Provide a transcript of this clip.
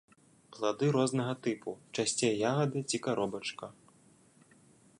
Плады рознага тыпу, часцей ягада ці каробачка.